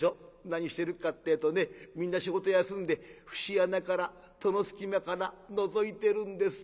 何してるかってぇとねみんな仕事休んで節穴から戸の隙間からのぞいてるんです。